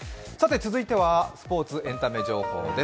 続いては、スポーツエンタメ情報です。